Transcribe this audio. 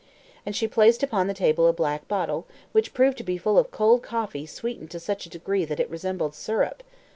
And she placed upon the table a black bottle, which proved to be full of cold coffee sweetened to such a degree that it resembled syrup.